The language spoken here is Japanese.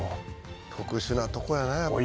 「特殊なとこやなやっぱり」